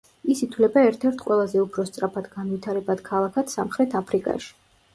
ის ითვლება ერთ-ერთ ყველაზე უფრო სწრაფად განვითარებად ქალაქად სამხრეთ აფრიკაში.